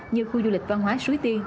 như khu du lịch văn hóa suối tiên